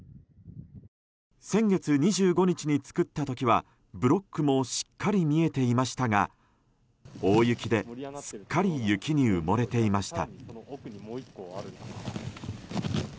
先月２５日に作った時はブロックもしっかり見えていましたが大雪ですっかり雪に埋もれていました。